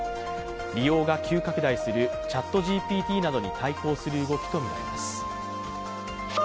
利用が急拡大するＣｈａｔＧＰＴなどに対抗する動きとみられます。